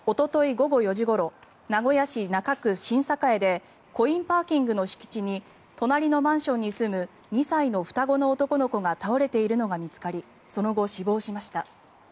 午後４時ごろ名古屋市中区栄でコインパーキングの敷地に隣のマンションに住む２歳の双子の男の子が倒れているのが見つかりその後、死亡しました。